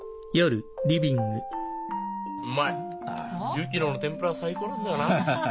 薫乃の天ぷら最高なんだよな。